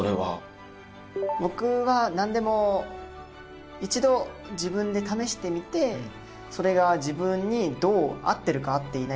僕は何でも一度自分で試してみてそれが自分にどう合ってるか合っていないか。